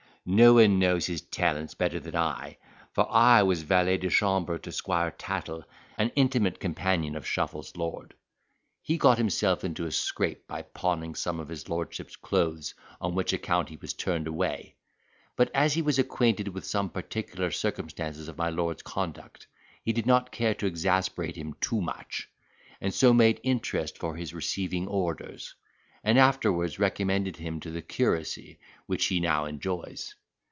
No one knows his talents better than I, for I was valet de chambre to Squire Tattle an intimate companion of Shuffle's lord. He got him self into a scrape by pawning some of his lordship's clothes on which account he was turned away; but, as he was acquainted with some particular circumstances of my lord's conduct, he did not care to exasperate him too much, and so made interest for his receiving orders, and afterwards recommended him to the curacy which he now enjoys.